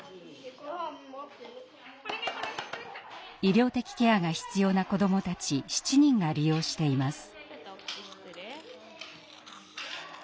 医療的ケアが必要な子どもたち７人が利用しています。